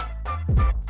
ada apa minta ketemu